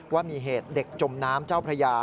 ว่ามีเหตุเด็กจมน้ำเจ้าพระยา